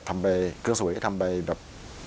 ก็ทำไปเครื่องเสวยก็ทำไปแบบ